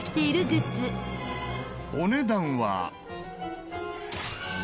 お値段は。